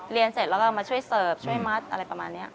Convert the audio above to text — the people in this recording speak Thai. เรียนเสร็จแล้วก็มาช่วยเสิร์ฟช่วยมัดอะไรประมาณนี้